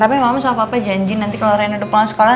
tapi mama sama papa janji nanti kalau reno udah pulang sekolah